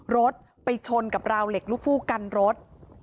รถไปชนกับราวเหล็กลูกฟู้กันรถ